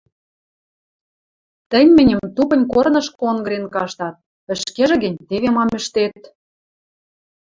Тӹнь мӹньӹм тупынь корнышкы онгырен каштат, ӹшкежӹ гӹнь теве мам ӹштет.